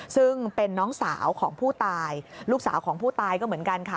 ซึ่งเป็นน้องสาวของผู้ตายลูกสาวของผู้ตายก็เหมือนกันค่ะ